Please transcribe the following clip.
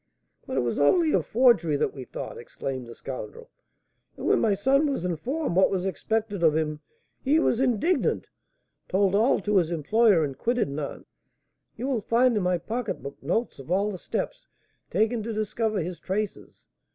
"But it was only of forgery that we thought," exclaimed the scoundrel; "and when my son was informed what was expected of him, he was indignant, told all to his employer, and quitted Nantes. You will find in my pocketbook notes of all the steps taken to discover his traces.